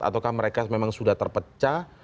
ataukah mereka memang sudah terpecah